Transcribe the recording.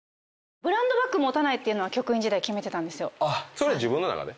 それ自分の中で？